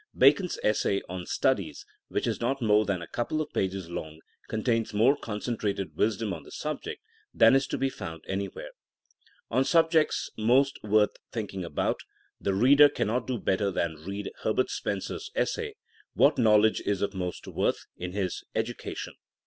Bacon's essay On Studies, which is not more than a couple pages long, contains more concentrated wisdom on the subject than is to be found anywhere. On subjects most worth thinking about, the reader cannot do better than read Herbert Spen cer 's essay What Knowledge is of Most Worth? in his Education.